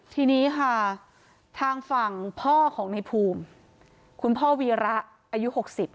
ทีนี้ค่ะทางฝั่งพ่อของในภูมิคุณพ่อวีระอายุ๖๐